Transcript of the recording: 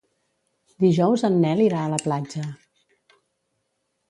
Dijous en Nel irà a la platja.